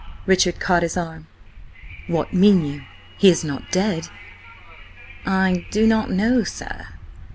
Richard caught his arm. "What mean you? He is not–dead?" "I do not know, sir."